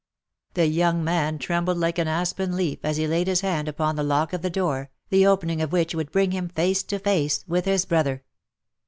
The young man trembled like an aspen leaf as he laid his hand upon the lock of the door, the opening of which would bring him face to face with his brother.